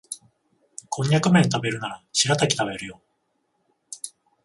コンニャクめん食べるならシラタキ食べるよ